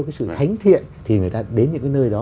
cái sự thánh thiện thì người ta đến những cái nơi đó